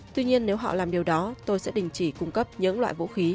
tuy nhiên nếu họ làm điều đó tôi sẽ đình chỉ cung cấp những loại vũ khí